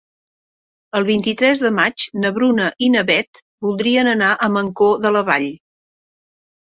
El vint-i-tres de maig na Bruna i na Beth voldrien anar a Mancor de la Vall.